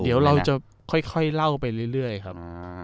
เดี๋ยวเราจะค่อยเล่าไปเรื่อยครับ